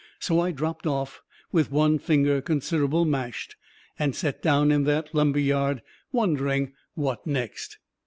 So I dropped off, with one finger considerable mashed, and set down in that lumber yard wondering what next.